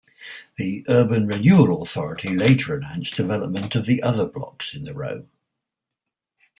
The Urban Renewal Authority later announced development of the other blocks in the row.